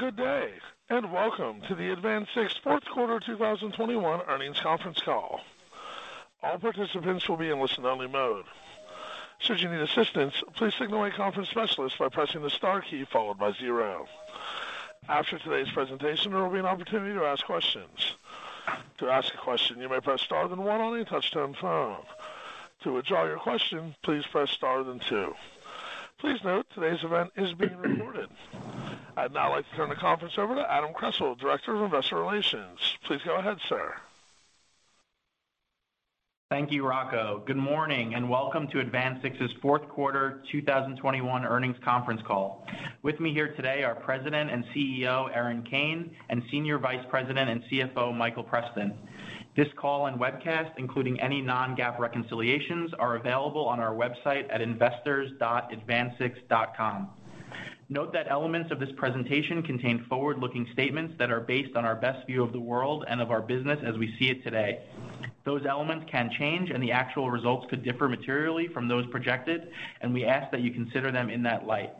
Good day, and welcome to the AdvanSix Fourth Quarter 2021 Earnings Conference Call. All participants will be in listen-only mode. Should you need assistance, please signal a conference specialist by pressing the star key followed by zero. After today's presentation, there will be an opportunity to ask questions. To ask a question, you may press star then one on your touch-tone phone. To withdraw your question, please press star then two. Please note today's event is being recorded. I'd now like to turn the conference over to Adam Kressel, Director of Investor Relations. Please go ahead, sir. Thank you, Rocco. Good morning, and welcome to AdvanSix's Fourth Quarter 2021 Earnings Conference Call. With me here today are President and CEO Erin Kane, and Senior Vice President and CFO Michael Preston. This call and webcast, including any non-GAAP reconciliations, are available on our website at investors.advansix.com. Note that elements of this presentation contain forward-looking statements that are based on our best view of the world and of our business as we see it today. Those elements can change, and the actual results could differ materially from those projected, and we ask that you consider them in that light.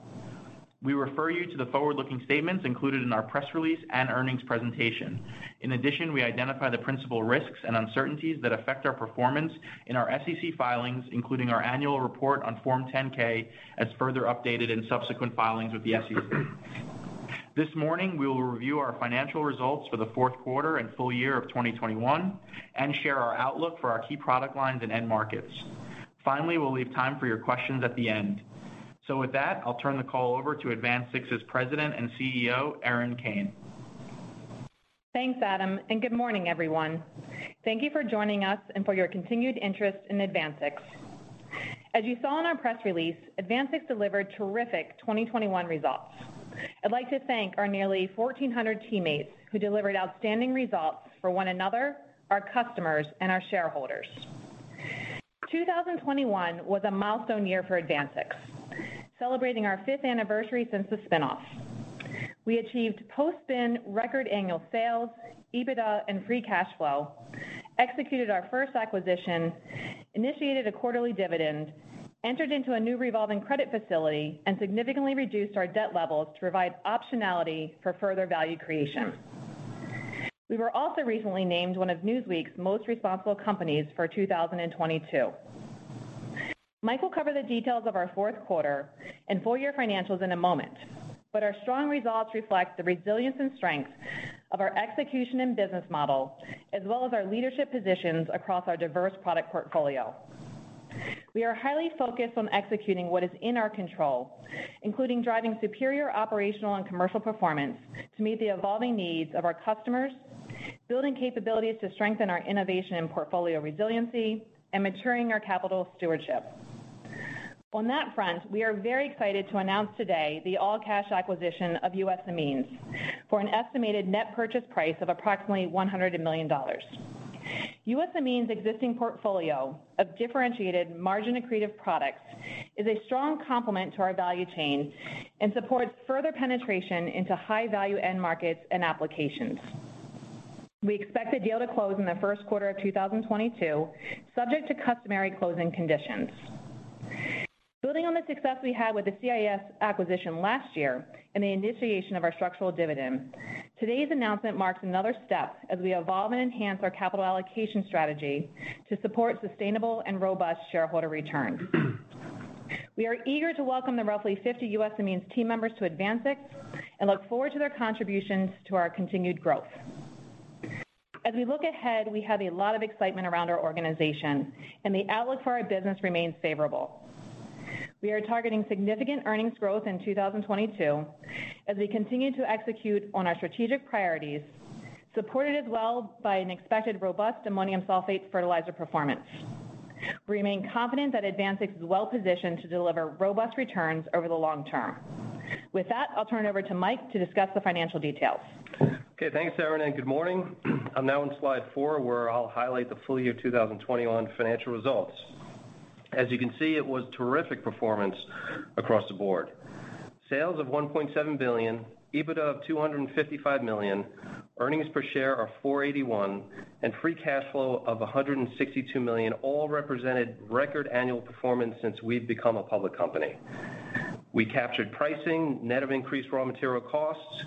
We refer you to the forward-looking statements included in our press release and earnings presentation. In addition, we identify the principal risks and uncertainties that affect our performance in our SEC filings, including our annual report on Form 10-K, as further updated in subsequent filings with the SEC. This morning, we will review our financial results for the fourth quarter and full year of 2021 and share our outlook for our key product lines and end markets. Finally, we'll leave time for your questions at the end. With that, I'll turn the call over to AdvanSix's President and CEO, Erin Kane. Thanks, Adam, and good morning, everyone. Thank you for joining us and for your continued interest in AdvanSix. As you saw in our press release, AdvanSix delivered terrific 2021 results. I'd like to thank our nearly 1,400 teammates who delivered outstanding results for one another, our customers, and our shareholders. 2021 was a milestone year for AdvanSix, celebrating our fifth anniversary since the spin-off. We achieved post-spin record annual sales, EBITDA, and free cash flow, executed our first acquisition, initiated a quarterly dividend, entered into a new revolving credit facility, and significantly reduced our debt levels to provide optionality for further value creation. We were also recently named one of Newsweek's most responsible companies for 2022. Michael will cover the details of our fourth quarter and full year financials in a moment, but our strong results reflect the resilience and strength of our execution and business model, as well as our leadership positions across our diverse product portfolio. We are highly focused on executing what is in our control, including driving superior operational and commercial performance to meet the evolving needs of our customers, building capabilities to strengthen our innovation and portfolio resiliency, and maturing our capital stewardship. On that front, we are very excited to announce today the all-cash acquisition of U.S. Amines for an estimated net purchase price of approximately $100 million. U.S. Amines' existing portfolio of differentiated margin-accretive products is a strong complement to our value chain and supports further penetration into high-value end markets and applications. We expect the deal to close in the first quarter of 2022, subject to customary closing conditions. Building on the success we had with the CIS acquisition last year and the initiation of our structural dividend, today's announcement marks another step as we evolve and enhance our capital allocation strategy to support sustainable and robust shareholder returns. We are eager to welcome the roughly 50 U.S. Amines team members to AdvanSix and look forward to their contributions to our continued growth. As we look ahead, we have a lot of excitement around our organization, and the outlook for our business remains favorable. We are targeting significant earnings growth in 2022 as we continue to execute on our strategic priorities, supported as well by an expected robust ammonium sulfate fertilizer performance. We remain confident that AdvanSix is well-positioned to deliver robust returns over the long-term. With that, I'll turn it over to Mike to discuss the financial details. Okay. Thanks, Erin, and good morning. I'm now on slide four, where I'll highlight the full year 2021 financial results. As you can see, it was terrific performance across the board. Sales of $1.7 billion, EBITDA of $255 million, earnings per share of $4.81, and free cash flow of $162 million all represented record annual performance since we've become a public company. We captured pricing net of increased raw material costs,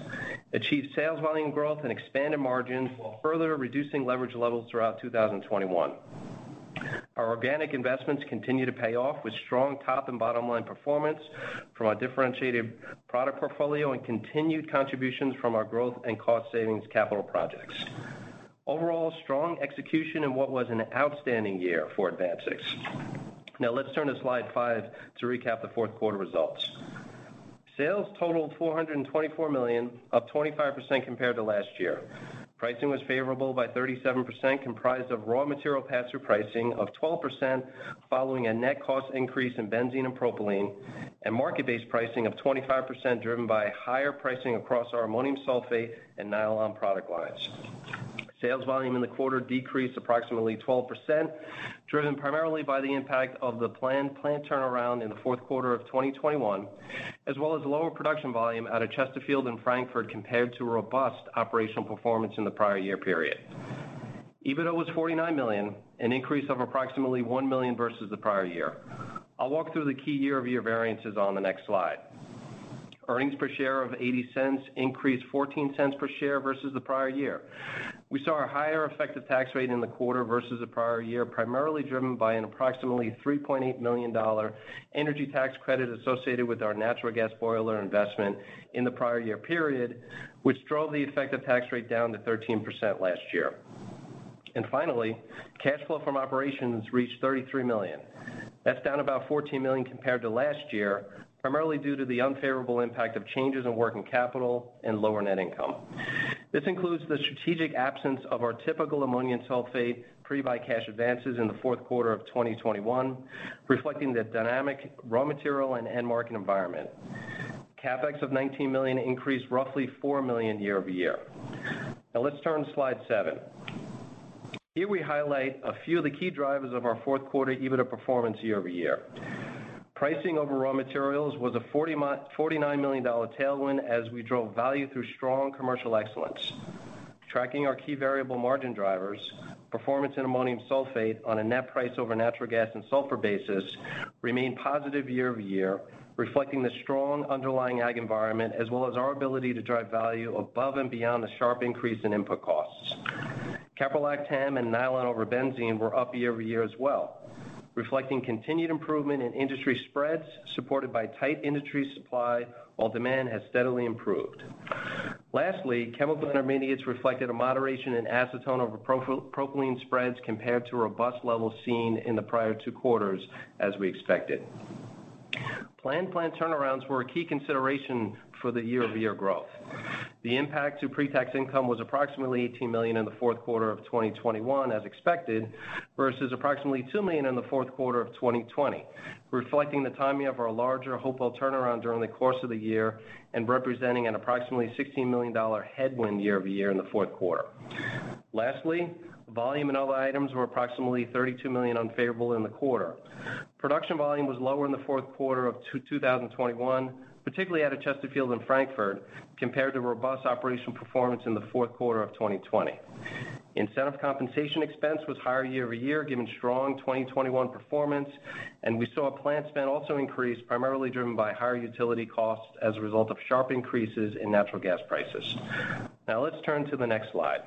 achieved sales volume growth, and expanded margins while further reducing leverage levels throughout 2021. Our organic investments continue to pay off with strong top and bottom-line performance from our differentiated product portfolio and continued contributions from our growth and cost savings capital projects. Overall, strong execution in what was an outstanding year for AdvanSix. Now let's turn to slide five to recap the fourth quarter results. Sales totaled $424 million, up 25% compared to last year. Pricing was favorable by 37%, comprised of raw material pass-through pricing of 12% following a net cost increase in benzene and propylene, and market-based pricing of 25%, driven by higher pricing across our ammonium sulfate and nylon product lines. Sales volume in the quarter decreased approximately 12%, driven primarily by the impact of the planned plant turnaround in the fourth quarter of 2021, as well as lower production volume out of Chesterfield and Frankford compared to robust operational performance in the prior year period. EBITDA was $49 million, an increase of approximately $1 million versus the prior year. I'll walk through the key year-over-year variances on the next slide. Earnings per share of $0.80 increased $0.14 per share versus the prior year. We saw a higher effective tax rate in the quarter versus the prior year, primarily driven by an approximately $3.8 million energy tax credit associated with our natural gas boiler investment in the prior year period, which drove the effective tax rate down to 13% last year. Finally, cash flow from operations reached $33 million. That's down about $14 million compared to last year, primarily due to the unfavorable impact of changes in working capital and lower net income. This includes the strategic absence of our typical ammonium sulfate pre-buy cash advances in the fourth quarter of 2021, reflecting the dynamic raw material and end market environment. CapEx of $19 million increased roughly $4 million year-over-year. Now let's turn to slide seven. Here we highlight a few of the key drivers of our fourth quarter EBITDA performance year-over-year. Pricing of raw materials was a $49 million tailwind as we drove value through strong commercial excellence. Tracking our key variable margin drivers, performance in ammonium sulfate on a net price over natural gas and sulfur basis remained positive year-over-year, reflecting the strong underlying ag environment as well as our ability to drive value above and beyond the sharp increase in input costs. Caprolactam and nylon over benzene were up year-over-year as well, reflecting continued improvement in industry spreads supported by tight industry supply while demand has steadily improved. Chemical intermediates reflected a moderation in acetone over propylene spreads compared to robust levels seen in the prior two quarters, as we expected. Planned plant turnarounds were a key consideration for the year-over-year growth. The impact to pre-tax income was approximately $18 million in the fourth quarter of 2021, as expected, versus approximately $2 million in the fourth quarter of 2020, reflecting the timing of our larger Hopewell turnaround during the course of the year and representing an approximately $16 million headwind year-over-year in the fourth quarter. Volume and other items were approximately $32 million unfavorable in the quarter. Production volume was lower in the fourth quarter of 2021, particularly out of Chesterfield and Frankford, compared to robust operational performance in the fourth quarter of 2020. Incentive compensation expense was higher year-over-year given strong 2021 performance, and we saw plant spend also increase, primarily driven by higher utility costs as a result of sharp increases in natural gas prices. Now let's turn to the next slide.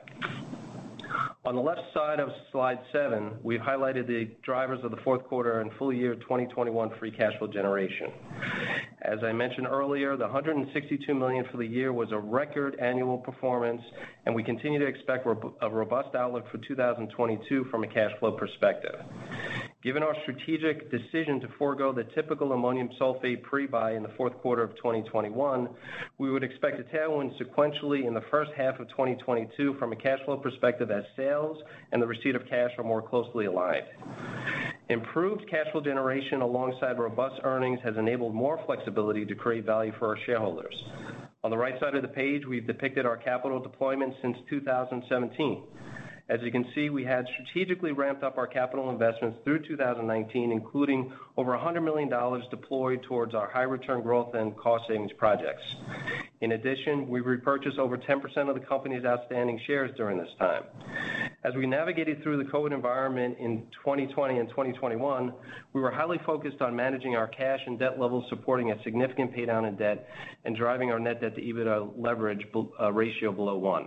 On the left side of slide seven, we've highlighted the drivers of the fourth quarter and full year 2021 free cash flow generation. As I mentioned earlier, the $162 million for the year was a record annual performance, and we continue to expect a robust outlook for 2022 from a cash flow perspective. Given our strategic decision to forgo the typical ammonium sulfate pre-buy in the fourth quarter of 2021, we would expect a tailwind sequentially in the first half of 2022 from a cash flow perspective as sales and the receipt of cash are more closely aligned. Improved cash flow generation alongside robust earnings has enabled more flexibility to create value for our shareholders. On the right side of the page, we've depicted our capital deployment since 2017. As you can see, we had strategically ramped up our capital investments through 2019, including over $100 million deployed towards our high return growth and cost savings projects. In addition, we repurchased over 10% of the company's outstanding shares during this time. As we navigated through the COVID environment in 2020 and 2021, we were highly focused on managing our cash and debt levels, supporting a significant pay down in debt, and driving our net debt to EBITDA leverage ratio below one.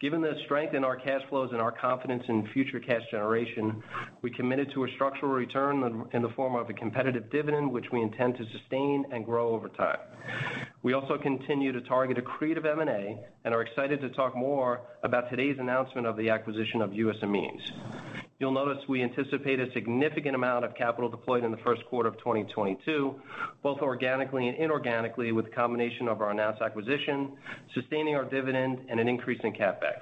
Given the strength in our cash flows and our confidence in future cash generation, we committed to a structural return in the form of a competitive dividend which we intend to sustain and grow over time. We also continue to target accretive M&A and are excited to talk more about today's announcement of the acquisition of U.S. Amines. You'll notice we anticipate a significant amount of capital deployed in the first quarter of 2022, both organically and inorganically, with a combination of our announced acquisition, sustaining our dividend, and an increase in CapEx.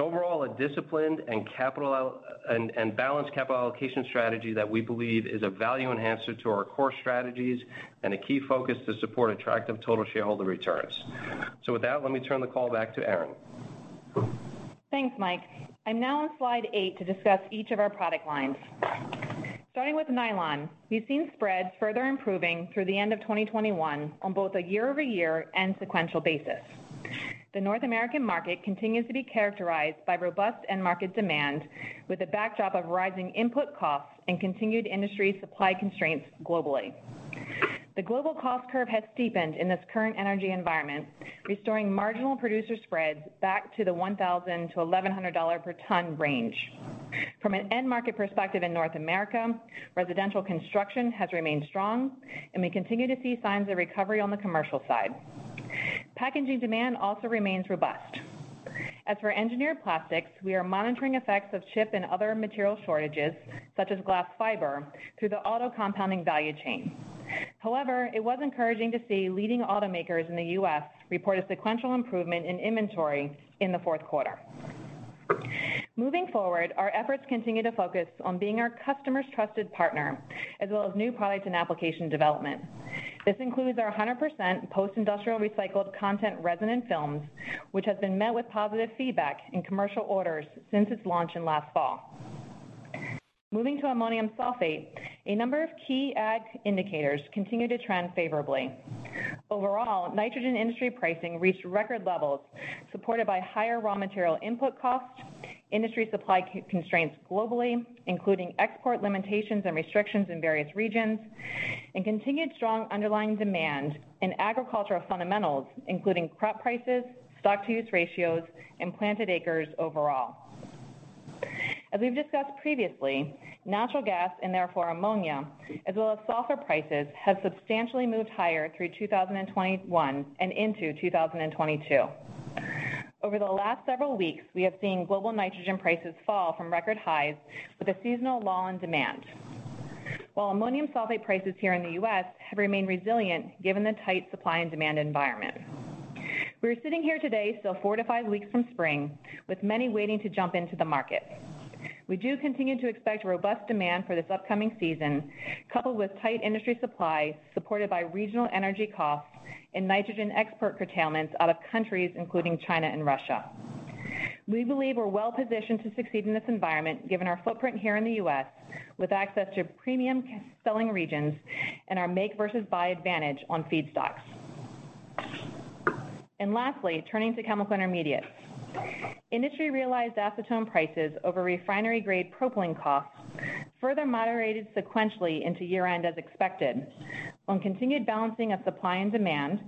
Overall, a disciplined and balanced capital allocation strategy that we believe is a value enhancer to our core strategies and a key focus to support attractive total shareholder returns. With that, let me turn the call back to Erin. Thanks, Mike. I'm now on slide eight to discuss each of our product lines. Starting with nylon, we've seen spreads further improving through the end of 2021 on both a year-over-year and sequential basis. The North American market continues to be characterized by robust end market demand with a backdrop of rising input costs and continued industry supply constraints globally. The global cost curve has steepened in this current energy environment, restoring marginal producer spreads back to the $1,000-$1,100 per ton range. From an end market perspective in North America, residential construction has remained strong, and we continue to see signs of recovery on the commercial side. Packaging demand also remains robust. As for engineered plastics, we are monitoring effects of chip and other material shortages, such as glass fiber, through the auto compounding value chain. However, it was encouraging to see leading automakers in the U.S. report a sequential improvement in inventory in the fourth quarter. Moving forward, our efforts continue to focus on being our customers' trusted partner, as well as new products and application development. This includes our 100% post-industrial recycled content resin and films, which has been met with positive feedback and commercial orders since its launch in last fall. Moving to ammonium sulfate, a number of key ag indicators continue to trend favorably. Overall, nitrogen industry pricing reached record levels supported by higher raw material input costs, industry supply constraints globally, including export limitations and restrictions in various regions, and continued strong underlying demand in agricultural fundamentals, including crop prices, stock-to-use ratios, and planted acres overall. As we've discussed previously, natural gas and therefore ammonia, as well as sulfur prices, have substantially moved higher through 2021 and into 2022. Over the last several weeks, we have seen global nitrogen prices fall from record highs with a seasonal low in demand, while ammonium sulfate prices here in the U.S. have remained resilient given the tight supply and demand environment. We're sitting here today still 4-5 weeks from spring, with many waiting to jump into the market. We do continue to expect robust demand for this upcoming season, coupled with tight industry supply, supported by regional energy costs and nitrogen export curtailments out of countries including China and Russia. We believe we're well-positioned to succeed in this environment given our footprint here in the U.S. with access to premium selling regions and our make versus buy advantage on feedstocks. Lastly, turning to chemical intermediates. Industry realized acetone prices over refinery grade propylene costs further moderated sequentially into year-end as expected on continued balancing of supply and demand,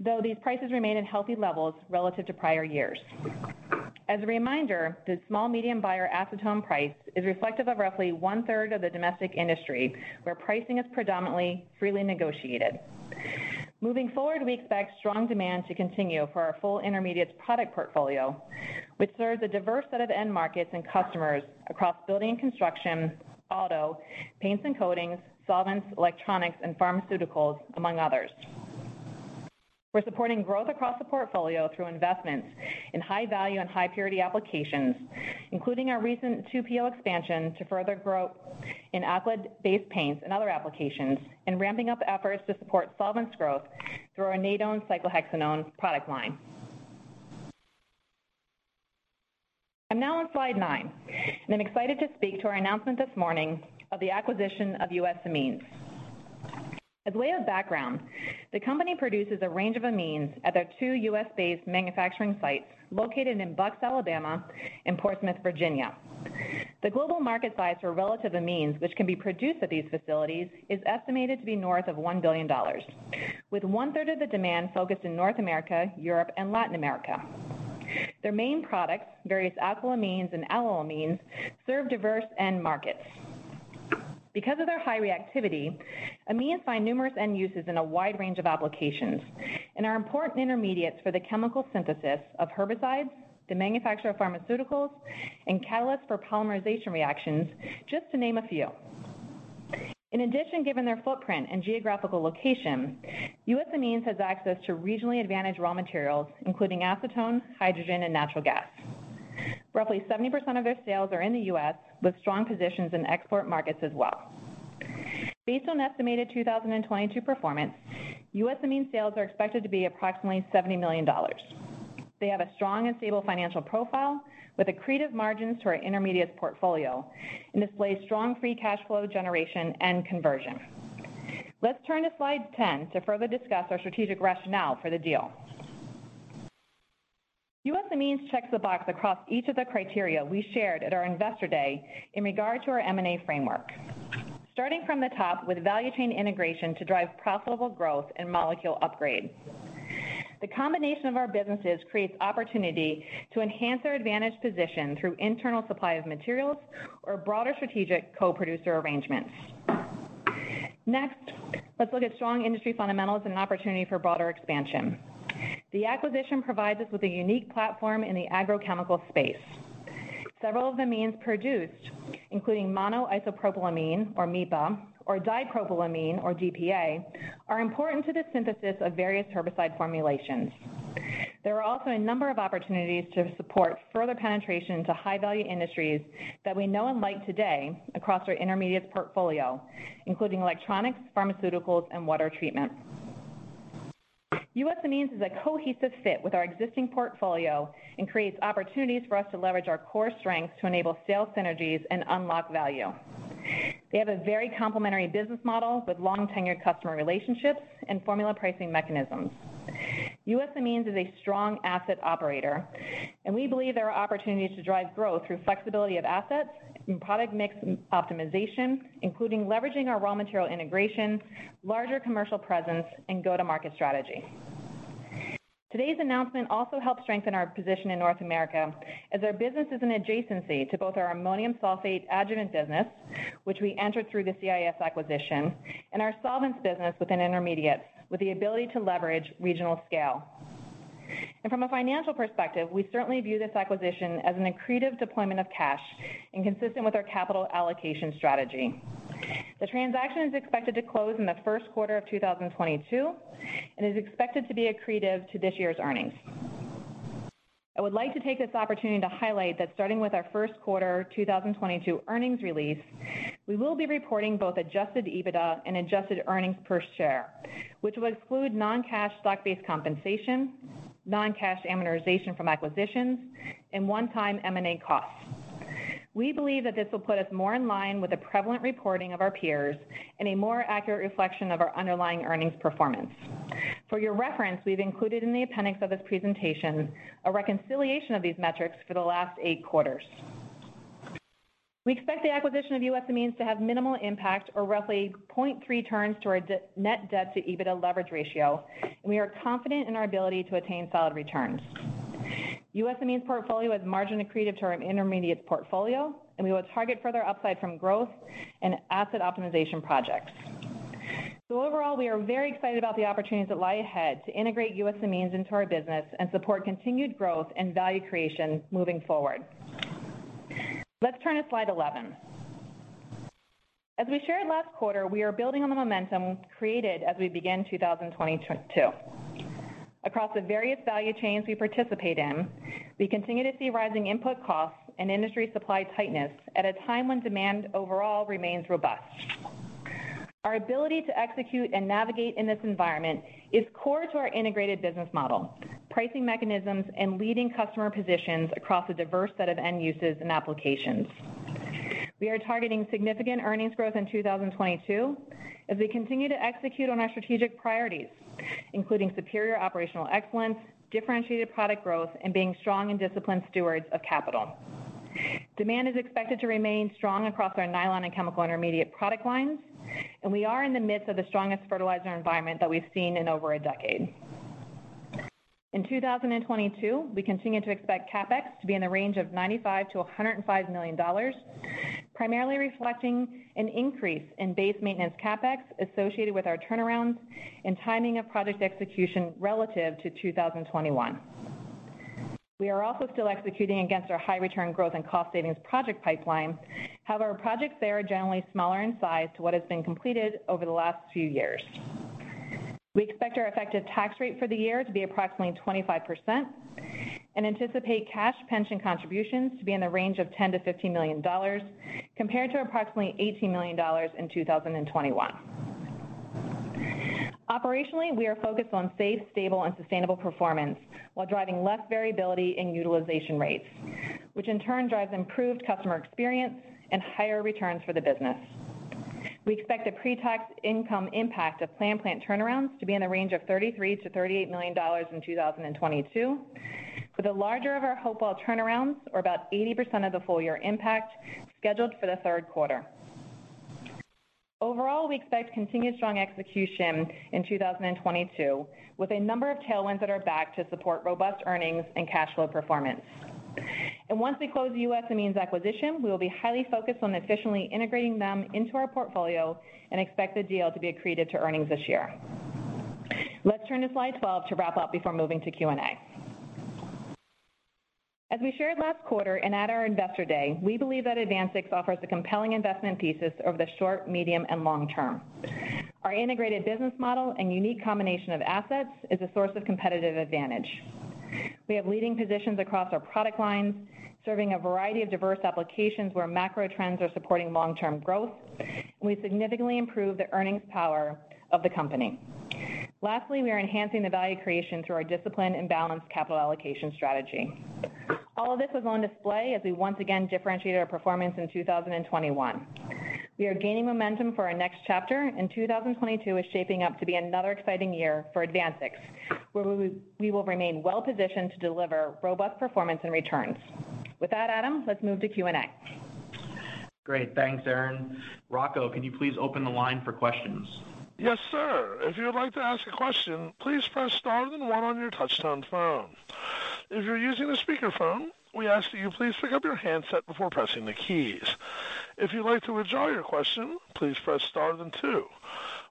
though these prices remain at healthy levels relative to prior years. As a reminder, the small/medium buyer acetone price is reflective of roughly 1/3 of the domestic industry, where pricing is predominantly freely negotiated. Moving forward, we expect strong demand to continue for our full intermediates product portfolio, which serves a diverse set of end markets and customers across building and construction, auto, paints and coatings, solvents, electronics, and pharmaceuticals, among others. We're supporting growth across the portfolio through investments in high value and high purity applications, including our recent 2PO expansion to further grow in aqueous-based paints and other applications, and ramping up efforts to support solvents growth through our Nadone cyclohexanone product line. I'm now on slide nine, and I'm excited to speak to our announcement this morning of the acquisition of U.S. Amines. By way of background, the company produces a range of amines at their two U.S.-based manufacturing sites located in Bucks, Alabama and Portsmouth, Virginia. The global market size for relevant amines which can be produced at these facilities is estimated to be north of $1 billion, with 1/3 of the demand focused in North America, Europe, and Latin America. Their main products, various alkylamines and allylamines, serve diverse end markets. Because of their high reactivity, amines find numerous end uses in a wide range of applications and are important intermediates for the chemical synthesis of herbicides, the manufacture of pharmaceuticals, and catalysts for polymerization reactions, just to name a few. In addition, given their footprint and geographical location, U.S. Amines has access to regionally advantaged raw materials, including acetone, hydrogen, and natural gas. Roughly 70% of their sales are in the U.S., with strong positions in export markets as well. Based on estimated 2022 performance, U.S. Amines sales are expected to be approximately $70 million. They have a strong and stable financial profile with accretive margins to our intermediates portfolio and displays strong free cash flow generation and conversion. Let's turn to slide ten to further discuss our strategic rationale for the deal. U.S. Amines checks the box across each of the criteria we shared at our Investor Day in regard to our M&A framework. Starting from the top with value chain integration to drive profitable growth and molecule upgrade. The combination of our businesses creates opportunity to enhance our advantaged position through internal supply of materials or broader strategic co-producer arrangements. Next, let's look at strong industry fundamentals and opportunity for broader expansion. The acquisition provides us with a unique platform in the agrochemical space. Several of amines produced, including monoisopropylamine or MIPA or dipropylamine or DPA, are important to the synthesis of various herbicide formulations. There are also a number of opportunities to support further penetration into high-value industries that we know and like today across our intermediates portfolio, including electronics, pharmaceuticals, and water treatment. U.S. Amines is a cohesive fit with our existing portfolio and creates opportunities for us to leverage our core strengths to enable sales synergies and unlock value. They have a very complementary business model with long tenured customer relationships and formula pricing mechanisms. U.S. Amines is a strong asset operator, and we believe there are opportunities to drive growth through flexibility of assets and product mix optimization, including leveraging our raw material integration, larger commercial presence, and go-to-market strategy. Today's announcement also helps strengthen our position in North America as their business is an adjacency to both our ammonium sulfate adjuvant business, which we entered through the CIS acquisition, and our solvents business within intermediates, with the ability to leverage regional scale. From a financial perspective, we certainly view this acquisition as an accretive deployment of cash and consistent with our capital allocation strategy. The transaction is expected to close in the first quarter of 2022 and is expected to be accretive to this year's earnings. I would like to take this opportunity to highlight that starting with our first quarter 2022 earnings release, we will be reporting both adjusted EBITDA and adjusted earnings per share, which will exclude non-cash stock-based compensation, non-cash amortization from acquisitions and one-time M&A costs. We believe that this will put us more in line with the prevalent reporting of our peers and a more accurate reflection of our underlying earnings performance. For your reference, we've included in the appendix of this presentation a reconciliation of these metrics for the last eight quarters. We expect the acquisition of U.S. Amines to have minimal impact or roughly 0.3 turns to our net debt to EBITDA leverage ratio, and we are confident in our ability to attain solid returns. U.S. Amines portfolio has margin accretive to our intermediates portfolio, and we will target further upside from growth and asset optimization projects. Overall, we are very excited about the opportunities that lie ahead to integrate U.S. Amines into our business and support continued growth and value creation moving forward. Let's turn to slide 11. As we shared last quarter, we are building on the momentum created as we begin 2022. Across the various value chains we participate in, we continue to see rising input costs and industry supply tightness at a time when demand overall remains robust. Our ability to execute and navigate in this environment is core to our integrated business model, pricing mechanisms, and leading customer positions across a diverse set of end uses and applications. We are targeting significant earnings growth in 2022 as we continue to execute on our strategic priorities, including superior operational excellence, differentiated product growth, and being strong and disciplined stewards of capital. Demand is expected to remain strong across our nylon and chemical intermediate product lines, and we are in the midst of the strongest fertilizer environment that we've seen in over a decade. In 2022, we continue to expect CapEx to be in the range of $95 million-$105 million, primarily reflecting an increase in base maintenance CapEx associated with our turnarounds and timing of project execution relative to 2021. We are also still executing against our high return growth and cost savings project pipeline. However, projects there are generally smaller in size to what has been completed over the last few years. We expect our effective tax rate for the year to be approximately 25% and anticipate cash pension contributions to be in the range of $10 million-$15 million compared to approximately $18 million in 2021. Operationally, we are focused on safe, stable, and sustainable performance while driving less variability in utilization rates, which in turn drives improved customer experience and higher returns for the business. We expect the pre-tax income impact of planned plant turnarounds to be in the range of $33 million-$38 million in 2022, with the larger of our Hopewell turnarounds or about 80% of the full year impact scheduled for the third quarter. Overall, we expect continued strong execution in 2022 with a number of tailwinds at our back to support robust earnings and cash flow performance. Once we close the U.S. Amines acquisition, we will be highly focused on efficiently integrating them into our portfolio and expect the deal to be accretive to earnings this year. Let's turn to slide 12 to wrap up before moving to Q&A. As we shared last quarter and at our Investor Day, we believe that AdvanSix offers a compelling investment thesis over the short, medium, and long-term. Our integrated business model and unique combination of assets is a source of competitive advantage. We have leading positions across our product lines, serving a variety of diverse applications where macro trends are supporting long-term growth, and we significantly improve the earnings power of the company. Lastly, we are enhancing the value creation through our disciplined and balanced capital allocation strategy. All of this was on display as we once again differentiated our performance in 2021. We are gaining momentum for our next chapter, and 2022 is shaping up to be another exciting year for AdvanSix, where we will remain well-positioned to deliver robust performance and returns. With that, Adam, let's move to Q&A. Great. Thanks, Erin. Rocco, can you please open the line for questions? Yes, sir. If you would like to ask a question, please press star then one on your touch-tone phone. If you're using a speakerphone, we ask that you please pick up your handset before pressing the keys. If you'd like to withdraw your question, please press star then two.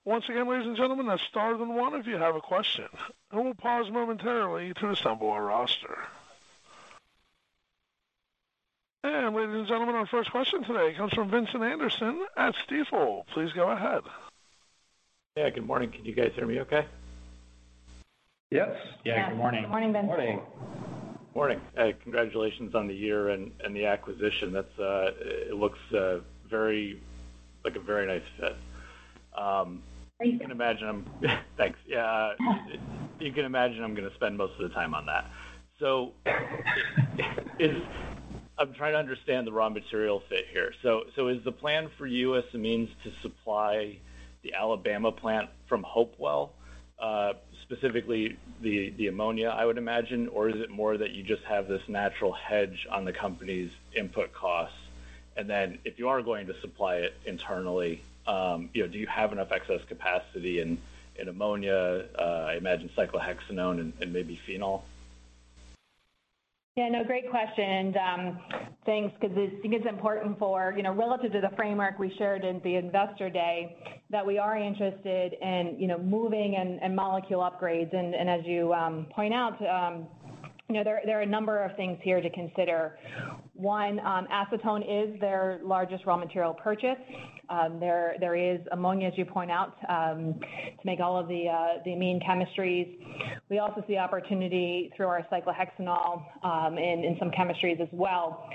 Once again, ladies and gentlemen, that's star then one if you have a question. We'll pause momentarily to assemble our roster. Ladies and gentlemen, our first question today comes from Vincent Anderson at Stifel. Please go ahead. Yeah. Good morning. Can you guys hear me okay? Yes. Yeah, good morning. Good morning, Vincent. Morning. Morning. Congratulations on the year and the acquisition. That's. It looks like a very nice fit. Thank you. You can imagine I'm gonna spend most of the time on that. I'm trying to understand the raw material fit here. Is the plan for U.S. Amines to supply the Alabama plant from Hopewell, specifically the ammonia, I would imagine? Is it more that you just have this natural hedge on the company's input costs? Then if you are going to supply it internally, you know, do you have enough excess capacity in ammonia, I imagine cyclohexanone and maybe phenol? Yeah, no, great question. Thanks because it's important for, you know, relative to the framework we shared in the Investor Day, that we are interested in, you know, moving and molecule upgrades. As you point out, you know, there are a number of things here to consider. One, acetone is their largest raw material purchase. There is ammonia, as you point out, to make all of the amine chemistries. We also see opportunity through our cyclohexanol in some chemistries as well.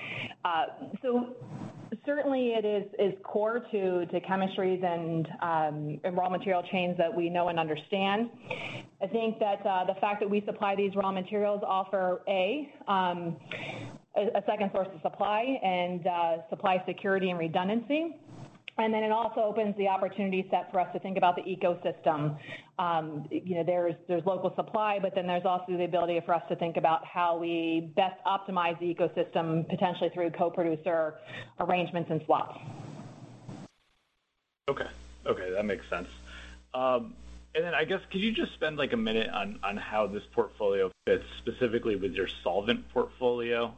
So certainly it is core to chemistries and raw material chains that we know and understand. I think that the fact that we supply these raw materials offers a second source of supply and supply security and redundancy. It also opens the opportunity set for us to think about the ecosystem. You know, there's local supply, but then there's also the ability for us to think about how we best optimize the ecosystem, potentially through co-producer arrangements and swaps. Okay, that makes sense. Then I guess, could you just spend like a minute on how this portfolio fits specifically with your solvent portfolio?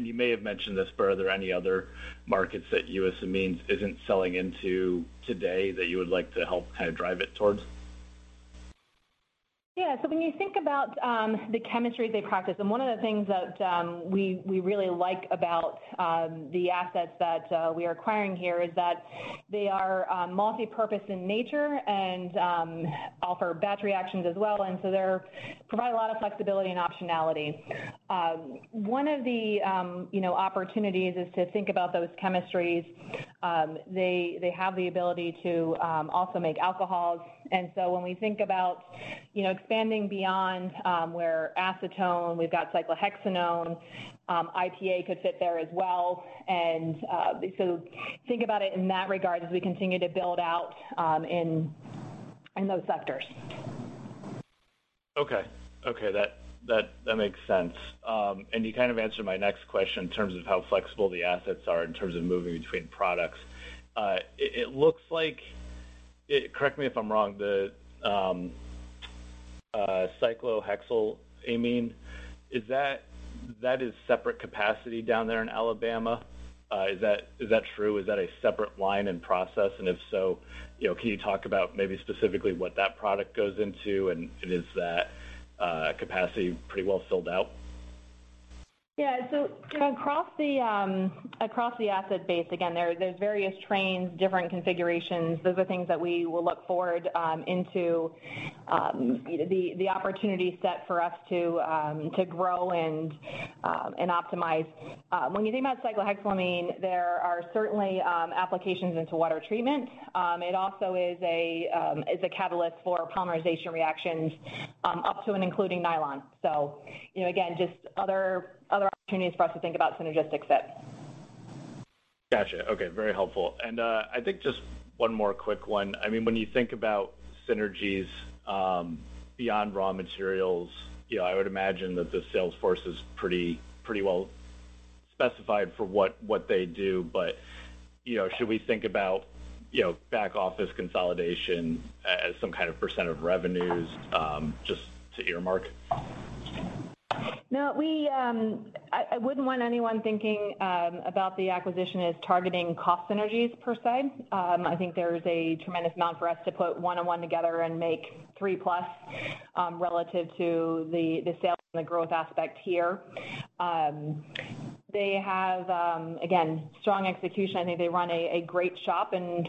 You may have mentioned this, but are there any other markets that U.S. Amines isn't selling into today that you would like to help kind of drive it towards? Yeah. When you think about the chemistry they practice, and one of the things that we really like about the assets that we are acquiring here is that they are multipurpose in nature and offer batch reactions as well. They provide a lot of flexibility and optionality. One of the, you know, opportunities is to think about those chemistries. They have the ability to also make alcohols. When we think about, you know, expanding beyond where acetone, we've got cyclohexanone, IPA could fit there as well. Think about it in that regard as we continue to build out in those sectors. Okay. That makes sense. You kind of answered my next question in terms of how flexible the assets are in terms of moving between products. It looks like, correct me if I'm wrong, the cyclohexylamine is separate capacity down there in Alabama? Is that true? Is that a separate line and process? If so, you know, can you talk about maybe specifically what that product goes into, and is that capacity pretty well sold out? Yeah. Kind of across the asset base, again, there are various trains, different configurations. Those are things that we will look forward into, you know, the opportunity set for us to grow and optimize. When you think about cyclohexylamine, there are certainly applications into water treatment. It also is a catalyst for polymerization reactions up to and including nylon. You know, again, just other opportunities for us to think about synergistic fit. Gotcha. Okay, very helpful. I think just one more quick one. I mean, when you think about synergies, beyond raw materials, you know, I would imagine that the sales force is pretty well specified for what they do. You know, should we think about, you know, back office consolidation as some kind of percent of revenues, just to earmark? No, I wouldn't want anyone thinking about the acquisition as targeting cost synergies per se. I think there's a tremendous amount for us to put one and one together and make three plus relative to the sales and the growth aspect here. They have, again, strong execution. I think they run a great shop, and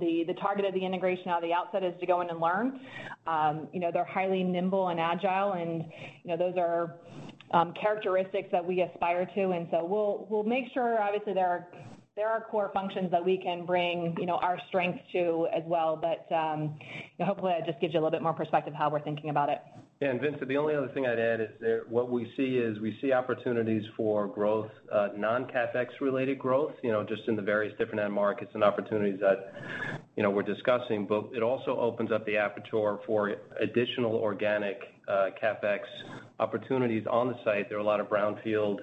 the target of the integration out of the outset is to go in and learn. You know, they're highly nimble and agile and, you know, those are characteristics that we aspire to. We'll make sure obviously there are core functions that we can bring, you know, our strengths to as well. Hopefully that just gives you a little bit more perspective how we're thinking about it. Vincent, the only other thing I'd add is what we see are opportunities for growth, non-CapEx related growth, you know, just in the various different end markets and opportunities that, you know, we're discussing. It also opens up the aperture for additional organic CapEx opportunities on the site. There are a lot of brownfield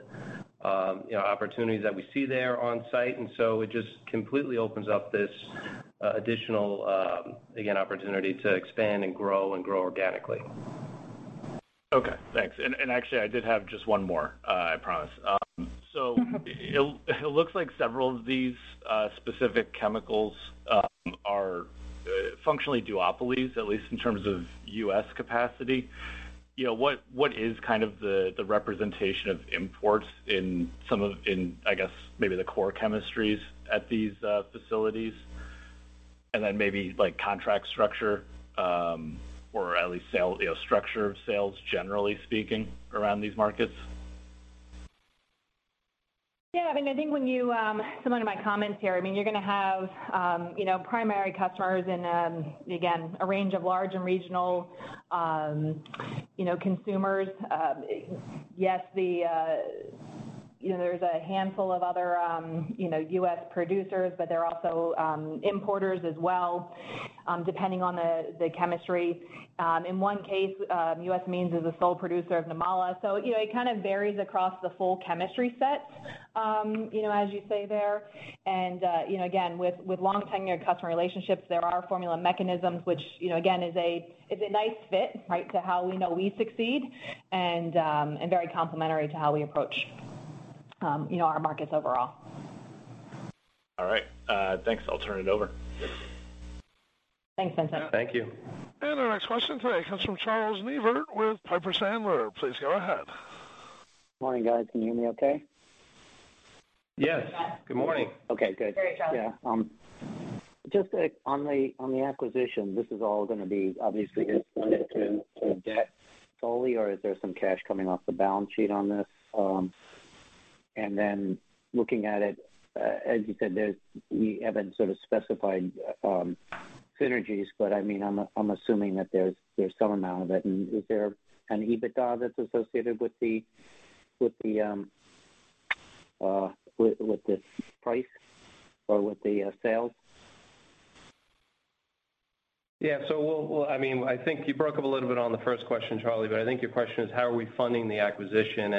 opportunities that we see there on site, and so it just completely opens up this additional, again, opportunity to expand and grow and grow organically. Okay, thanks. Actually I did have just one more, I promise. It looks like several of these specific chemicals are functionally duopolies, at least in terms of U.S. capacity. You know, what is kind of the representation of imports in some of, in I guess maybe the core chemistries at these facilities? Then maybe like contract structure, or at least sales, you know, structure of sales generally speaking around these markets. Yeah, I mean, I think when you, some of my comments here, I mean, you're gonna have, you know, primary customers in, again, a range of large and regional, you know, consumers. Yes, you know, there's a handful of other, you know, U.S. producers, but they're also, importers as well, depending on the chemistry. In one case, U.S. Amines is the sole producer of n-propylamine. So, you know, it kind of varies across the full chemistry set, you know, as you say there. You know, again, with long-tenured customer relationships, there are formula mechanisms which, you know, again, is a nice fit, right, to how we know we succeed and very complementary to how we approach, you know, our markets overall. All right. Thanks. I'll turn it over. Thanks, Vincent. Thank you. Our next question today comes from Charles Neivert with Piper Sandler. Please go ahead. Morning, guys. Can you hear me okay? Yes. Yes. Good morning. Okay, good. Great, Charles. Yeah. Just on the acquisition, this is all gonna be obviously debt funded fully or is there some cash coming off the balance sheet on this? Looking at it, as you said, we haven't sort of specified synergies, but I mean, I'm assuming that there's some amount of it. Is there an EBITDA that's associated with this price or with the sales? Yeah. We'll, I mean, I think you broke up a little bit on the first question, Charles, but I think your question is how are we funding the acquisition?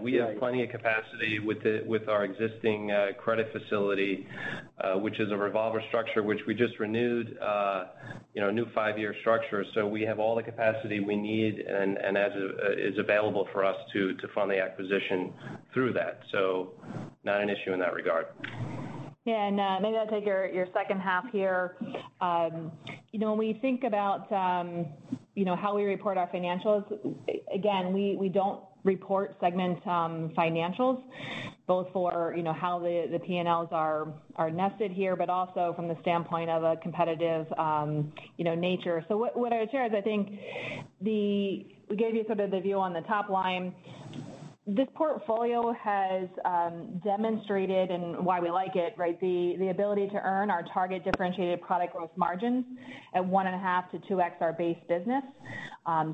We have- Right plenty of capacity with our existing credit facility, which is a revolver structure, which we just renewed, you know, a new five-year structure. We have all the capacity we need and it is available for us to fund the acquisition through that. Not an issue in that regard. Yeah. Maybe I'll take your second half here. You know, when we think about, you know, how we report our financials, again, we don't report segment financials both for, you know, how the P&Ls are nested here, but also from the standpoint of a competitive, you know, nature. What I would share is I think we gave you sort of the view on the top line. This portfolio has demonstrated and why we like it, right? The ability to earn our target differentiated product growth margins at 1.5-2X our base business.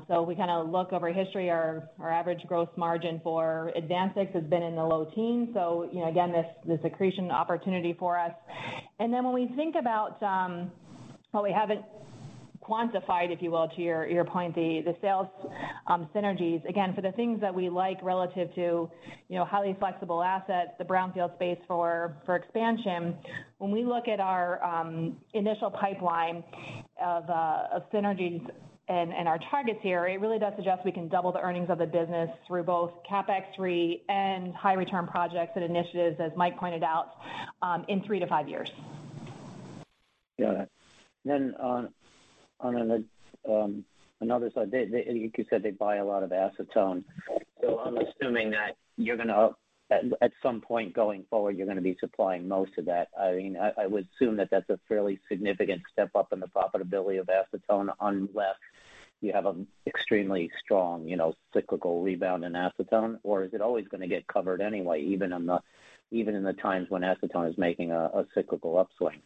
So we kinda look over history, our average growth margin for AdvanSix has been in the low-teens. You know, again, this accretion opportunity for us. When we think about while we haven't quantified, if you will, to your point, the sales synergies, again, for the things that we like relative to, you know, highly flexible assets, the brownfield space for expansion. When we look at our initial pipeline of synergies and our targets here, it really does suggest we can double the earnings of the business through both CapEx three and high return projects and initiatives, as Mike pointed out, in 3-5 years. Got it. On another side, they, you said they buy a lot of acetone. Yeah. I'm assuming that you're gonna, at some point going forward, you're gonna be supplying most of that. I mean, I would assume that that's a fairly significant step up in the profitability of acetone, unless you have an extremely strong, you know, cyclical rebound in acetone. Or is it always gonna get covered anyway, even in the times when acetone is making a cyclical upswing?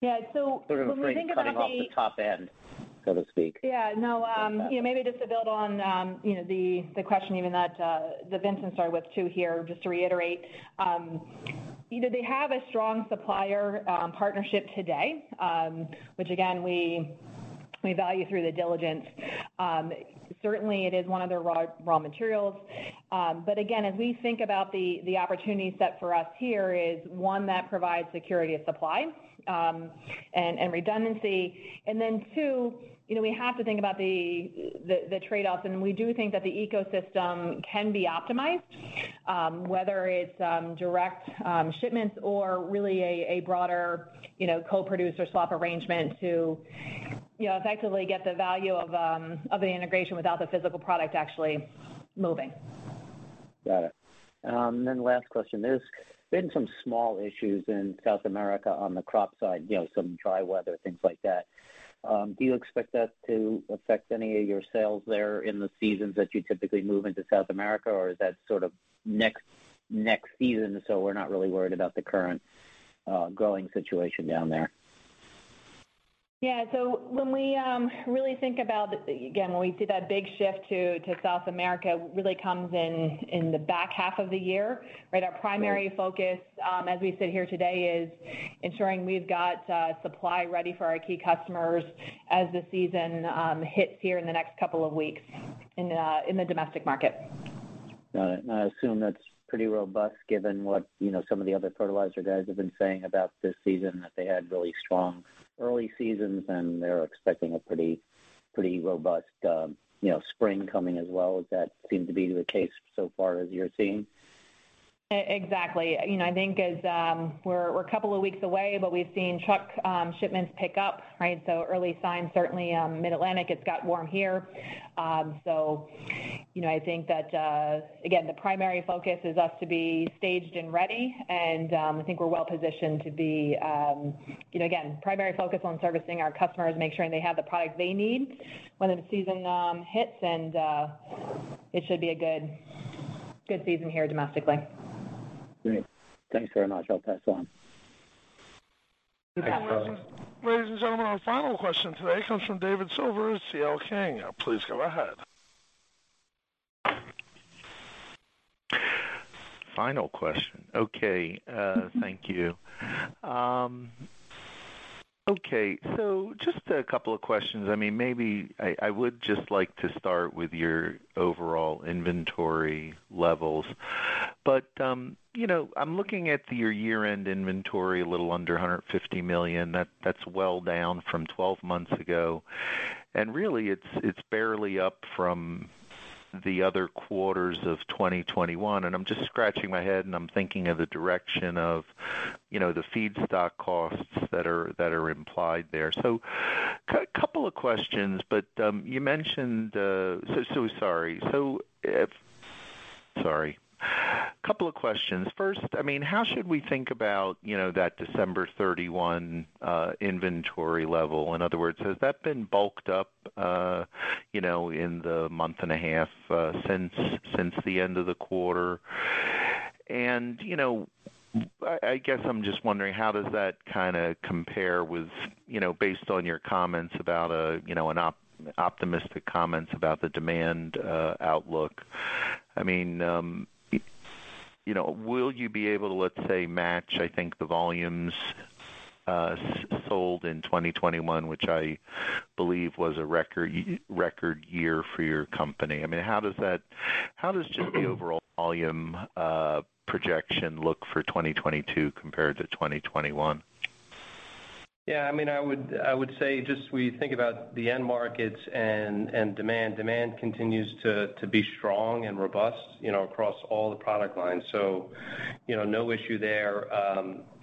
Yeah. When we think about Sort of frame cutting off the top end, so to speak. Yeah. No. Yeah, maybe just to build on, you know, the question even that that Vincent started with too here, just to reiterate, you know, they have a strong supplier partnership today, which again, we value through the diligence. Certainly it is one of their raw materials. But again, as we think about the trade-offs, and we do think that the ecosystem can be optimized, whether it's direct shipments or really a broader, you know, co-producer swap arrangement to, you know, effectively get the value of the integration without the physical product actually moving. Got it. Last question. There's been some small issues in South America on the crop side, you know, some dry weather, things like that. Do you expect that to affect any of your sales there in the seasons that you typically move into South America? Or is that sort of next season, so we're not really worried about the current growing situation down there? When we really think about, again, when we see that big shift to South America really comes in the back half of the year, right? Our primary focus as we sit here today is ensuring we've got supply ready for our key customers as the season hits here in the next couple of weeks in the domestic market. Got it. I assume that's pretty robust given what, you know, some of the other fertilizer guys have been saying about this season, that they had really strong early seasons, and they're expecting a pretty robust, you know, spring coming as well. Does that seem to be the case so far as you're seeing? Exactly. You know, I think as we're a couple of weeks away, but we've seen truck shipments pick up, right? Early signs, certainly, Mid-Atlantic, it's got warm here. You know, I think that again, the primary focus is us to be staged and ready and I think we're well positioned to be, you know, again, primary focus on servicing our customers, make sure they have the product they need when the season hits and it should be a good season here domestically. Great. Thanks very much. I'll pass it on. Thanks, Charlie. Ladies and gentlemen, our final question today comes from David Silver at C.L. King. Please go ahead. Final question. Okay. Thank you. Okay. Just a couple of questions. I mean, maybe I would just like to start with your overall inventory levels. You know, I'm looking at your year-end inventory a little under $150 million. That's well down from 12 months ago. Really it's barely up from the other quarters of 2021. I'm just scratching my head and I'm thinking of the direction of, you know, the feedstock costs that are implied there. Couple of questions, but you mentioned. So sorry. Couple of questions. First, I mean, how should we think about, you know, that December 31 inventory level? In other words, has that been bulked up, you know, in the month and a half since the end of the quarter? You know, I guess I'm just wondering, how does that kinda compare with, you know, based on your optimistic comments about the demand outlook. I mean, you know, will you be able to, let's say, match, I think, the volumes sold in 2021, which I believe was a record year for your company? I mean, how does just the overall volume projection look for 2022 compared to 2021? Yeah, I mean, I would say as we think about the end markets and demand. Demand continues to be strong and robust, you know, across all the product lines. So, you know, no issue there.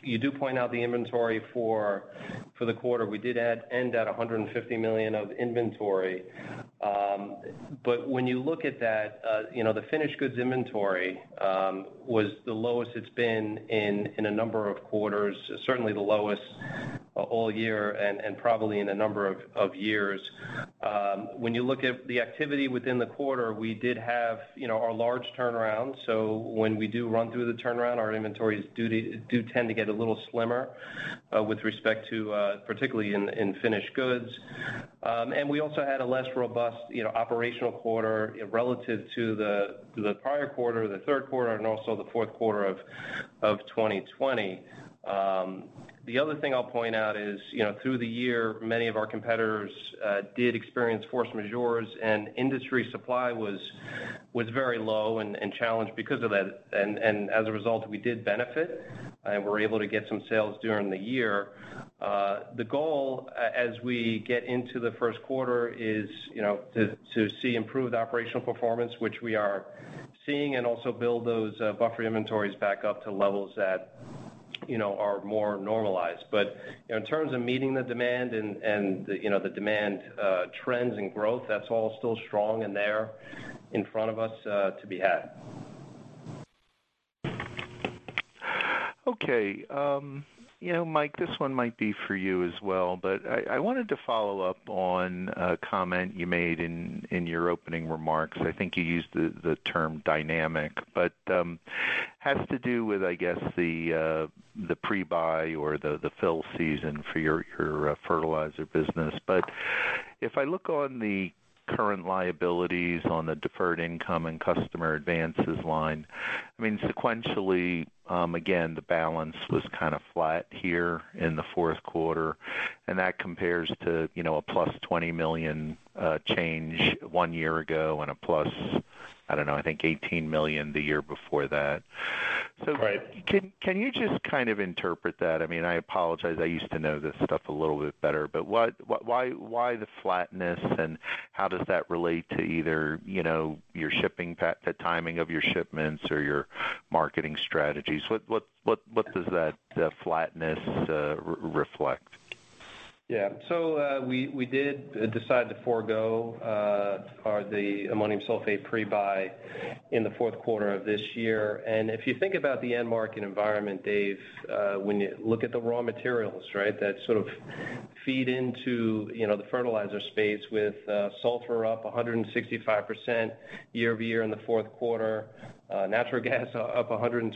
You do point out the inventory for the quarter. We did end at $150 million of inventory. But when you look at that, you know, the finished goods inventory was the lowest it's been in a number of quarters, certainly the lowest all year and probably in a number of years. When you look at the activity within the quarter, we did have, you know, our large turnaround. So when we do run through the turnaround, our inventories do tend to get a little slimmer with respect to particularly in finished goods. We also had a less robust, you know, operational quarter relative to the prior quarter, the third quarter and the fourth quarter of 2020. The other thing I'll point out is, you know, through the year, many of our competitors did experience force majeures and industry supply was very low and challenged because of that. As a result, we did benefit, and we're able to get some sales during the year. The goal as we get into the first quarter is, you know, to see improved operational performance, which we are seeing, and also build those buffer inventories back up to levels that, you know, are more normalized. In terms of meeting the demand and you know, the demand, trends and growth, that's all still strong and there in front of us to be had. Okay. You know, Mike, this one might be for you as well, but I wanted to follow up on a comment you made in your opening remarks. I think you used the term dynamic, but has to do with, I guess, the pre-buy or the fill season for your fertilizer business. If I look on the current liabilities on the deferred income and customer advances line, I mean, sequentially, again, the balance was kind of flat here in the fourth quarter, and that compares to, you know, a +$20 million change one year ago and a, I don't know, I think +$18 million the year before that. Right. Can you just kind of interpret that? I mean, I apologize. I used to know this stuff a little bit better. Why the flatness, and how does that relate to either, you know, the timing of your shipments or your marketing strategies? What does that flatness reflect? Yeah. We did decide to forgo the ammonium sulfate pre-buy in the fourth quarter of this year. If you think about the end market environment, Dave, when you look at the raw materials, right? That sort of feed into, you know, the fertilizer space with sulfur up 165% year-over-year in the fourth quarter, natural gas up 125%.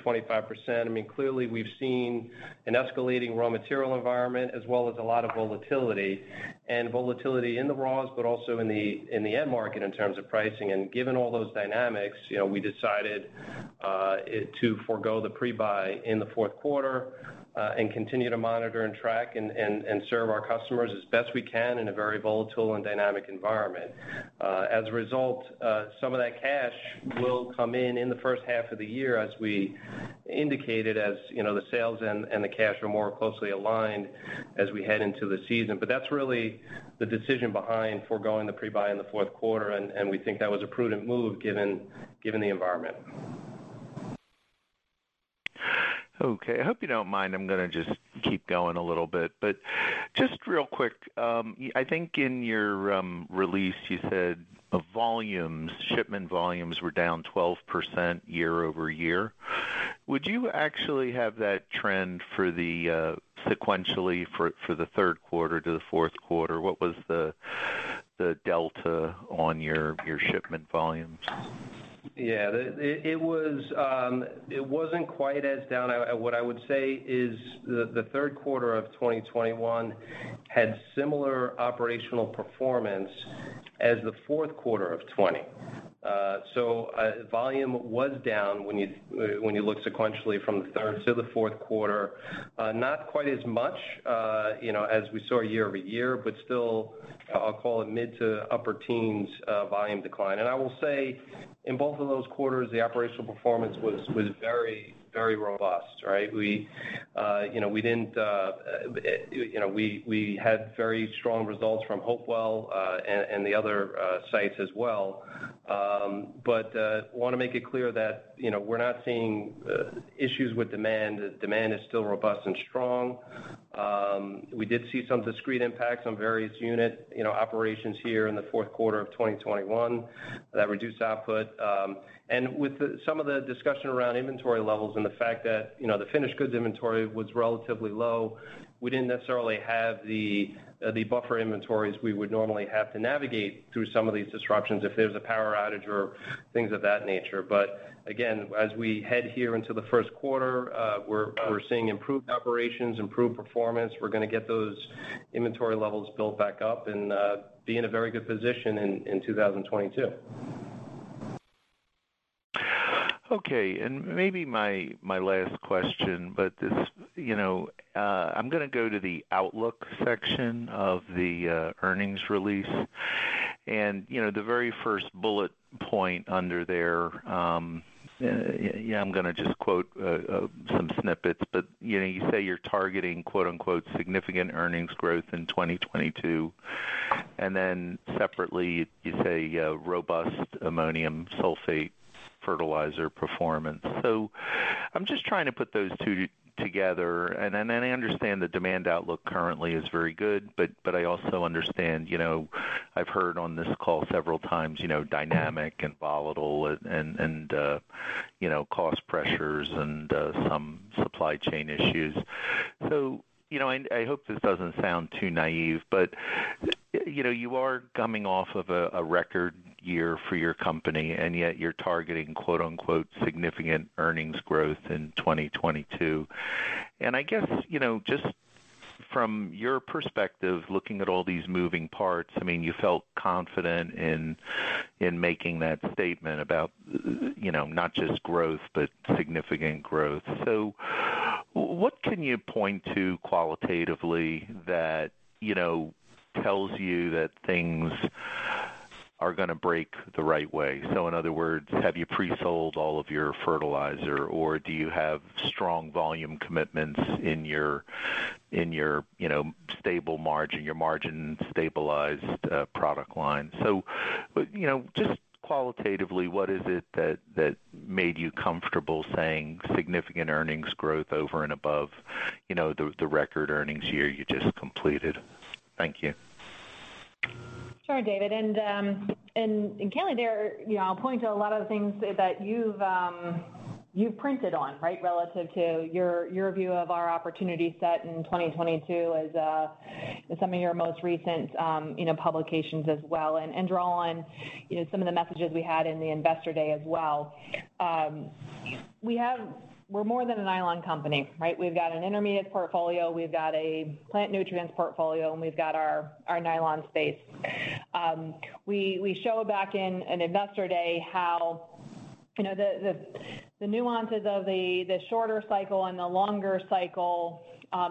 I mean, clearly, we've seen an escalating raw material environment as well as a lot of volatility. Volatility in the raws, but also in the end market in terms of pricing. Given all those dynamics, you know, we decided to forgo the pre-buy in the fourth quarter and continue to monitor and track and serve our customers as best we can in a very volatile and dynamic environment. As a result, some of that cash will come in in the first half of the year, as we indicated, you know, the sales and the cash are more closely aligned as we head into the season. That's really the decision behind foregoing the pre-buy in the fourth quarter, and we think that was a prudent move given the environment. Okay. I hope you don't mind. I'm gonna just keep going a little bit. Just real quick, I think in your release, you said volumes, shipment volumes were down 12% year-over-year. Would you actually have that trend sequentially for the third quarter to the fourth quarter? What was the delta on your shipment volumes? Yeah. It was. It wasn't quite as down. What I would say is the third quarter of 2021 had similar operational performance as the fourth quarter of 2020. Volume was down when you look sequentially from the third to the fourth quarter, not quite as much, you know, as we saw year-over-year, but still I'll call it mid- to upper-teens volume decline. I will say in both of those quarters, the operational performance was very robust, right? You know, we had very strong results from Hopewell and the other sites as well. I want to make it clear that, you know, we're not seeing issues with demand. Demand is still robust and strong. We did see some discrete impacts on various unit, you know, operations here in the fourth quarter of 2021 that reduced output. With some of the discussion around inventory levels and the fact that, you know, the finished goods inventory was relatively low, we didn't necessarily have the buffer inventories we would normally have to navigate through some of these disruptions if there's a power outage or things of that nature. Again, as we head here into the first quarter, we're seeing improved operations, improved performance. We're gonna get those inventory levels built back up and be in a very good position in 2022. Okay, maybe my last question. You know, I'm gonna go to the outlook section of the earnings release. You know, the very first bullet point under there. Yeah, I'm gonna just quote some snippets, but you know, you say you're targeting quote-unquote "significant earnings growth in 2022." Separately you say "robust ammonium sulfate fertilizer performance." I'm just trying to put those two together, and then I understand the demand outlook currently is very good, but I also understand, you know, I've heard on this call several times, you know, dynamic and volatile and cost pressures and some supply chain issues. You know, I hope this doesn't sound too naive, but you know, you are coming off of a record year for your company, and yet you're targeting quote-unquote, "significant earnings growth in 2022." I guess, you know, just from your perspective, looking at all these moving parts, I mean, you felt confident in making that statement about, you know, not just growth but significant growth. What can you point to qualitatively that, you know, tells you that things are gonna break the right way? In other words, have you pre-sold all of your fertilizer, or do you have strong volume commitments in your you know, stable margin, your margin-stabilized product line? you know, just qualitatively, what is it that made you comfortable saying significant earnings growth over and above, you know, the record earnings year you just completed? Thank you. Sure, David. Kelly there, you know, I'll point to a lot of the things that you've printed on, right? Relative to your view of our opportunity set in 2022 as some of your most recent publications as well, and draw on, you know, some of the messages we had in the Investor Day as well. We're more than a nylon company, right? We've got an intermediate portfolio, we've got a plant nutrients portfolio, and we've got our nylon space. We showed back in an Investor Day how, you know, the nuances of the shorter cycle and the longer cycle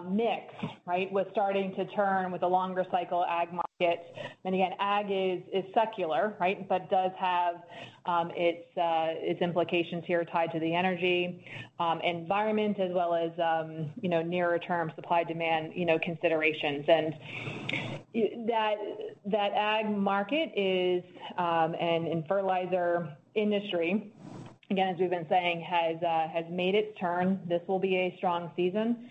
mix, right? Was starting to turn with the longer cycle ag market. Again, ag is secular, right? It does have its implications here tied to the energy environment as well as, you know, nearer-term supply demand, you know, considerations. That ag market and fertilizer industry, again, as we've been saying, has made its turn. This will be a strong season,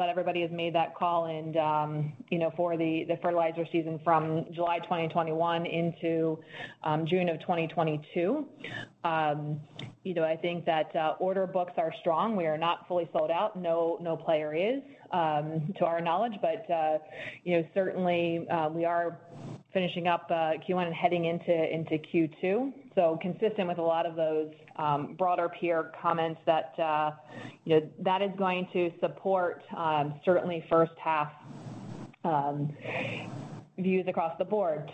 but everybody has made that call and, you know, for the fertilizer season from July 2021 into June 2022. You know, I think that order books are strong. We are not fully sold out. No player is, to our knowledge. You know, certainly, we are finishing up Q1 and heading into Q2. Consistent with a lot of those broader peer comments that you know that is going to support certainly first half views across the board.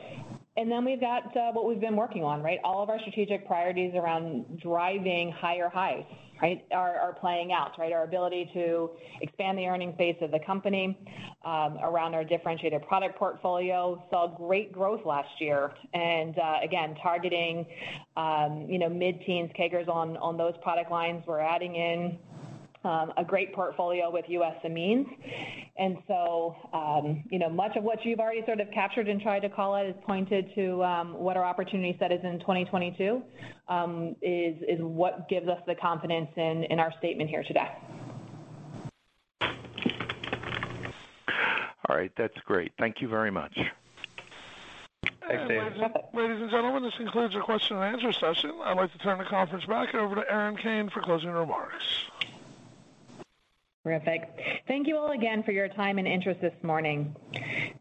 We've got what we've been working on right? All of our strategic priorities around driving higher highs right? Are playing out right? Our ability to expand the earnings base of the company around our differentiated product portfolio saw great growth last year. Again targeting you know mid-teens CAGRs on those product lines. We're adding in a great portfolio with U.S. Amines. You know much of what you've already sort of captured and tried to call out is pointed to what our opportunity set is in 2022 is what gives us the confidence in our statement here today. All right. That's great. Thank you very much. Thanks, David. Ladies and gentlemen, this concludes our question and answer session. I'd like to turn the conference back over to Erin Kane for closing remarks. Terrific. Thank you all again for your time and interest this morning.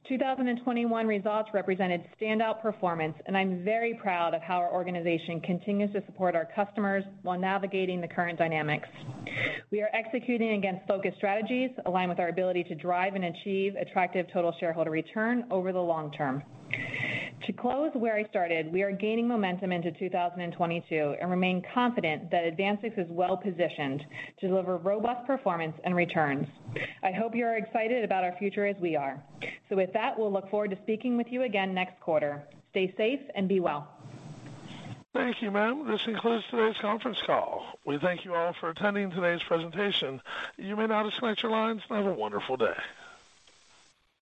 2021 results represented standout performance, and I'm very proud of how our organization continues to support our customers while navigating the current dynamics. We are executing against focused strategies aligned with our ability to drive and achieve attractive total shareholder return over the long-term. To close where I started, we are gaining momentum into 2022 and remain confident that AdvanSix is well positioned to deliver robust performance and returns. I hope you're excited about our future as we are. With that, we'll look forward to speaking with you again next quarter. Stay safe and be well. Thank you, ma'am. This concludes today's conference call. We thank you all for attending today's presentation. You may now disconnect your lines, and have a wonderful day.